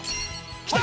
来た！